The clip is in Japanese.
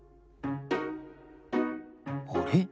あれ？